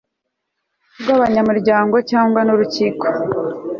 bw abanyamuryango cyangwa n urukiko